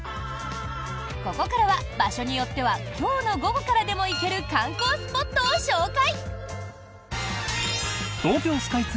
ここからは、場所によっては今日の午後からでも行ける観光スポットを紹介！